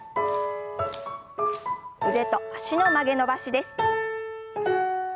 腕と脚の曲げ伸ばしです。